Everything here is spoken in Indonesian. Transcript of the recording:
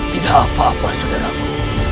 tidak apa apa saudaraku